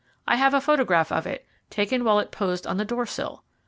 I have a photograph of it, taken while it posed on the door sill.